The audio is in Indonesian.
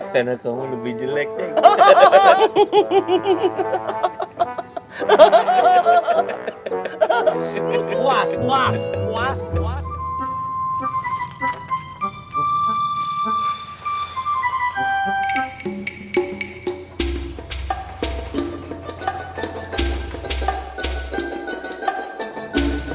karena kamu lebih jelek ceng